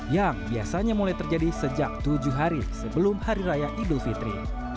yang biasanya mulai terjadi sejak tujuh hari sebelum hari raya idul fitri